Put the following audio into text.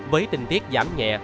với tình tiết giảm nhẹ